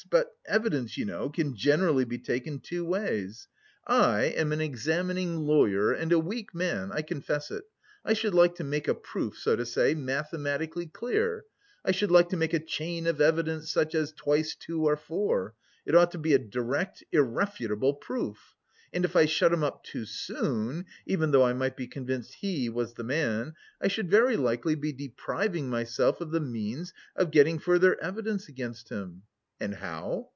But evidence, you know, can generally be taken two ways. I am an examining lawyer and a weak man, I confess it. I should like to make a proof, so to say, mathematically clear. I should like to make a chain of evidence such as twice two are four, it ought to be a direct, irrefutable proof! And if I shut him up too soon even though I might be convinced he was the man, I should very likely be depriving myself of the means of getting further evidence against him. And how?